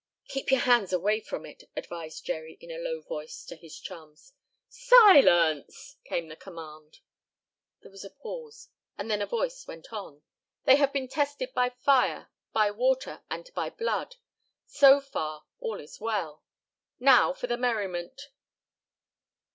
"Keep your hands away from it," advised Jerry in a low voice to his chums. "Silence!" came the command. There was a pause, and then a voice went on: "They have been tested by fire, by water and by blood. So far all is well. Now for the merriment!"